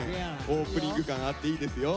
オープニング感あっていいですよ。